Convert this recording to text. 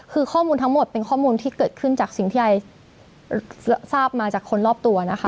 คือข้อมูลทั้งหมดเป็นข้อมูลที่เกิดขึ้นจากสิ่งที่ไอทราบมาจากคนรอบตัวนะคะ